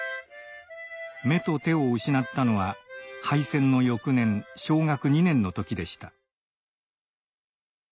目と手を失ったのは敗戦の翌年小学２年の時でした。